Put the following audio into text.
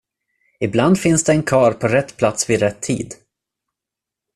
Ibland finns det en karl på rätt plats vid rätt tid.